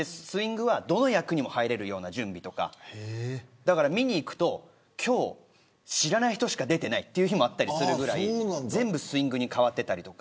スイングはどの役にも入れる準備とかだから、見に行くと今日、知らない人しか出ていないという日もあったりするぐらいスイングに変わってたり。